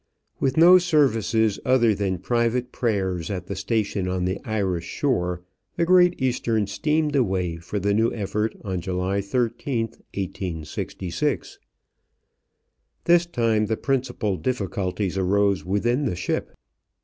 With no services other than private prayers at the station on the Irish shore, the Great Eastern steamed away for the new effort on July 13, 1866. This time the principal difficulties arose within the ship.